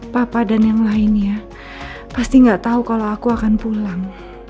papa dan yang lainnya pasti nggak tahu kalau aku akan pulang